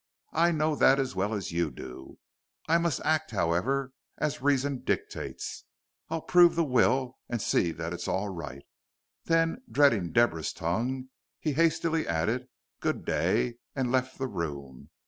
"I know that as well as you do; I must act, however, as reason dictates. I'll prove the will and see that all is right." Then, dreading Deborah's tongue he hastily added "Good day," and left the room.